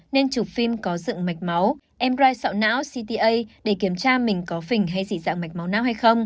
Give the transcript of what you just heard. nên chụp phim có dựng mạch máu mri sạo não cta để kiểm tra mình có phình hay dị dạng mạch máu nào hay không